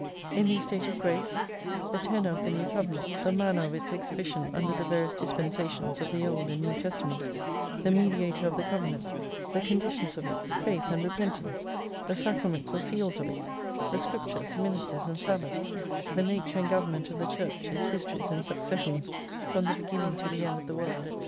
In the estate of grace ; the tenour of the new covenant, the manner of its exhibition under the various dispensations of the Old and New Testament, the Mediator of the covenant, the conditions of it, faith and repentance, the sacraments or seals of it, the Scriptures, ministers, and sabbaths, the nature and government of the Church, its histories and successions from the beginning to the end of the world, &c.